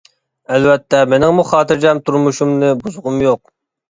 ئەلۋەتتە، مېنىڭمۇ خاتىرجەم تۇرمۇشۇمنى بۇزغۇم يوق.